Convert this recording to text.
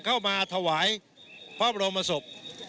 เข้ามาถวายพระบรมศพ